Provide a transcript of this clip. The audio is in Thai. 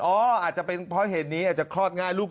อาจจะเป็นเพราะเหตุนี้อาจจะคลอดง่ายลูก